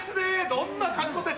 どんな格好で。